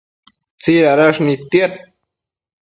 tsidadash nidtiad